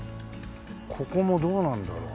ここもどうなんだろう？